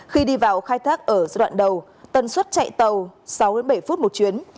khi đi vào khai thác ở giai đoạn đầu tần suất chạy tàu sáu bảy phút một chuyến